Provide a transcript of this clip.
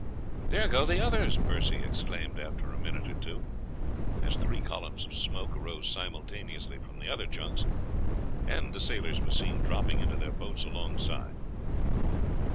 "There go the others!" Percy exclaimed after a minute or two, as three columns of smoke arose simultaneously from the other junks, and the sailors were seen dropping into their boats alongside.